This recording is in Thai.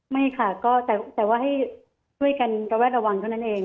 ไม่ค่ะก็แต่ว่าให้ช่วยกันระแวดระวังเท่านั้นเอง